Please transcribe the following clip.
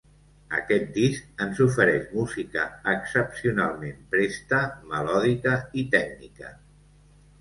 Aquest disc ens ofereix música excepcionalment presta, melòdica i tècnica.